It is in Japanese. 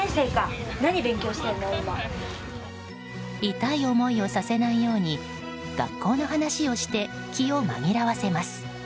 痛い思いをさせないように学校の話をして気を紛らわせます。